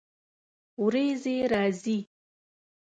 ورېځې راځي